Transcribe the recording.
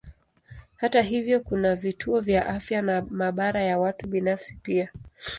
Hata hivyo kuna vituo vya afya na maabara ya watu binafsi pia.